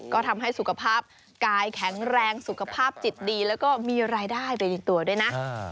ก็ทำให้สุขภาพกายแข็งแรงสุขภาพจิตดีแล้วก็มีรายได้ไปในตัวด้วยนะ